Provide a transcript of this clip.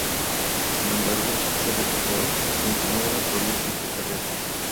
Sin embargo, se recuperó y continuó una prolífica carrera.